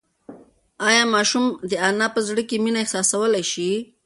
ایا ماشوم د انا په زړه کې مینه احساسولی شي؟